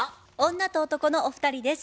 女と男のお二人です。